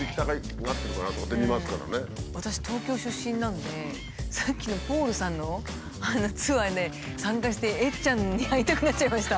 私東京出身なのでさっきのポールさんのツアーね参加してえっちゃんに会いたくなっちゃいました。